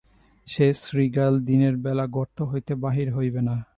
সে শৃগাল, দিনের বেলা গর্ত হইতে বাহির হইবে না।